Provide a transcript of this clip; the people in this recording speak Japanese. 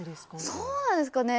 そうなんですかね。